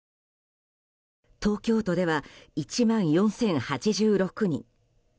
東京都では１万４０８６人。